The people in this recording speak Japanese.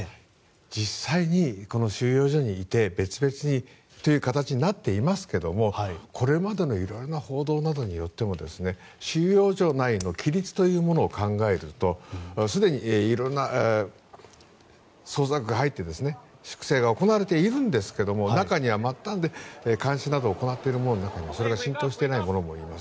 実際にこの収容所にいて別々にという形になってますけどこれまでの色々な報道などによっても収容所内の規律というものを考えるとすでに色んな捜索が入って粛清が行われているんですが中には末端で監視などを行っている者にそれが浸透していないものもいます。